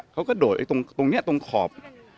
เขาก็โดดตรงนี้ตรงขอบ